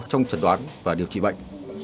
trong chẩn đoán và điều trị bệnh